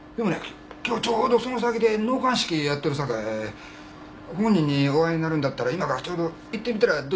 今日ちょうどその先で納棺式やっとるさかい本人にお会いになるんだったら今からちょうど行ってみたらどうや。